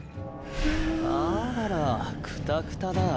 あららクタクタだぁ。